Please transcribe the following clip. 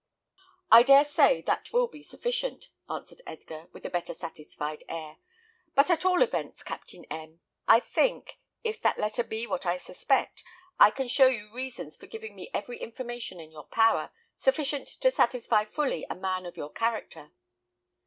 "I dare say that will be sufficient," answered Edgar, with a better satisfied air; "but at all events, Captain M , I think, if that letter be what I suspect, I can show you reasons for giving me every information in your power, sufficient to satisfy fully a man of your character."